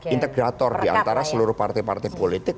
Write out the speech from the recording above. integrator diantara seluruh partai partai politik